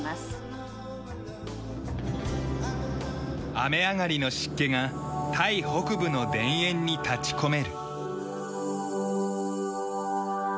雨上がりの湿気がタイ北部の田園に立ちこめる。